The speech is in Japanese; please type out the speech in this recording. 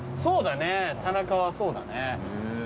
そうだね田中はそうだね。